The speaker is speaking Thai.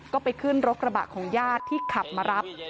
ก็ไปขึ้นรถกระบะของญาติที่ขับมารับ